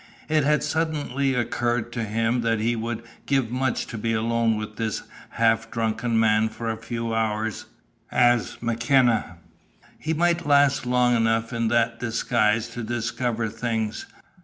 It had suddenly occurred to him that he would give much to be alone with this half drunken man for a few hours as McKenna. He might last long enough in that disguise to discover things.